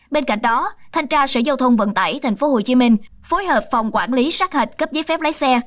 bên cạnh đó thanh tra sở giao thông vận tải tp hcm phối hợp phòng quản lý sát hạch cấp giấy phép lái xe